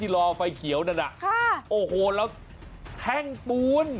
ที่รอไฟเขียวนั่นโอ้โฮแล้วแท่งปูน